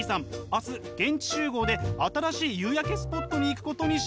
明日現地集合で新しい夕焼けスポットに行くことにしました。